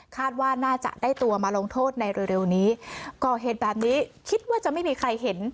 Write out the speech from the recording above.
ว่าน่าจะได้ตัวมาลงโทษในเร็วนี้ก่อเหตุแบบนี้คิดว่าจะไม่มีใครเห็น